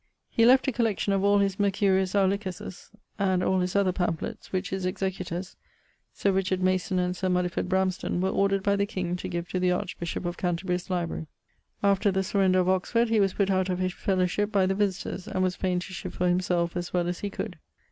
He left a collection of all his Mercurius Aulicus's and all his other pamphletts, which his executors (Sir Richard Mason and Sir Muddiford Bramston) were ordered by the king to give to the Archbishop of Canterbury's library. After the surrender of Oxford, he was putt out of his fellowship by the Visitors, and was faine to shift for himselfe as well as he could.